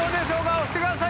押してください。